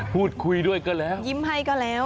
พูดคุยด้วยก็แล้ว